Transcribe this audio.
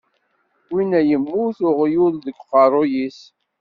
Winna yemmut uɣyul deg uqerruy-is.